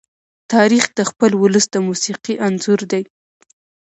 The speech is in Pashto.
تاریخ د خپل ولس د موسیقي انځور دی.